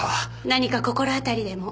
何か心当たりでも？